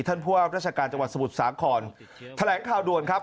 ผู้ว่าราชการจังหวัดสมุทรสาครแถลงข่าวด่วนครับ